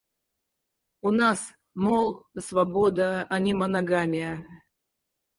У нас, мол, свобода, а не моногамия.